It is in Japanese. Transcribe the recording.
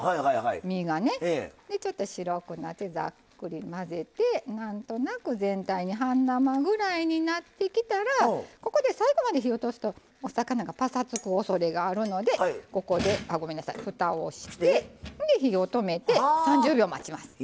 身が白くなって、ざっくり混ぜてなんとなく全体に半生ぐらいになってきたらここで最後まで火を通すとお魚がぱさつくおそれがあるのでここで、ふたをして火を止めて、３０秒待ちます。